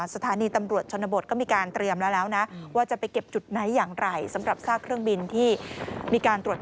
สถานีตำรวจชนบทก็มีการเตรียมแล้ว